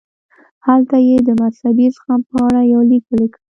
هلته یې د مذهبي زغم په اړه یو لیک ولیکه.